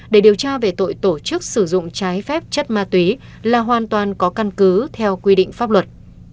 để điều tra về tội tổ chức sử dụng trái phép chất ma túy là hoàn toàn có căn cứ theo quy định pháp luật